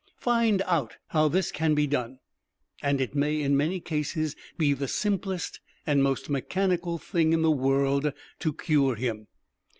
Find out how this can be done, and it may in many cases be the simplest and most mechanical thing in the world to cure him.